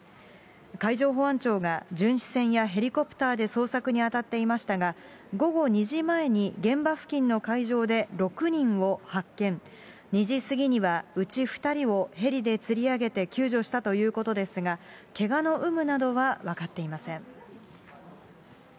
海上保安庁が巡視船やヘリコプターで捜索に当たっていましたが、午後２時前に現場付近の海上で６人を発見、２時過ぎにはうち２人をヘリでつり上げて救助したということですが、けがの有無などは分かっていません。